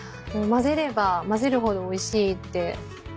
混ぜれば混ぜるほどおいしいって。